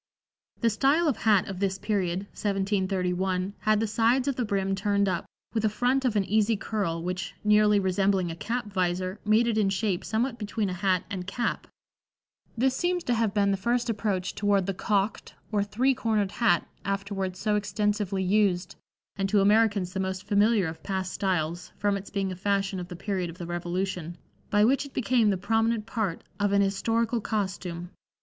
The style of hat of this period (1731) had the sides of the brim turned up, with a front of an easy curl, which, nearly resembling a cap visor, made it in shape somewhat between a hat and cap; this seems to have been the first approach toward the "cocked" or three cornered hat afterwards so extensively used, and to Americans the most familiar of past styles, from its being a fashion of the period of the Revolution, by which it became the prominent part of an historical costume.